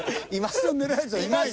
靴狙うヤツはいないよ。